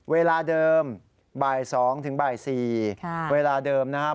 เวลาเดิมบ่าย๒ถึงบ่าย๔เวลาเดิมนะครับ